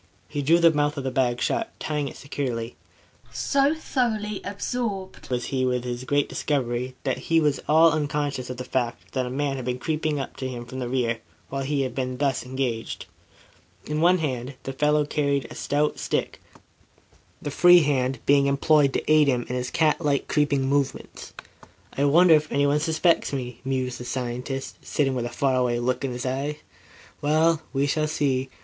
He drew the mouth of the bag shut, tying it securely. So thoroughly absorbed was he with his great discovery, that he was all unconscious of the fact that a man had been creeping up to him from the rear while he had been thus engaged. In one hand the fellow carried a stout stick, the free hand being employed to aid him in his cat like creeping movements. "I wonder if anyoue suspects," mused the scientist, sitting with a far away look in his eyes. "Well, we shall see.